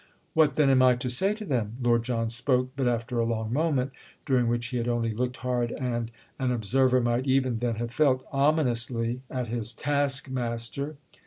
"What then am I to say to them?" Lord John spoke but after a long moment, during which he had only looked hard and—an observer might even then have felt—ominously at his taskmaster.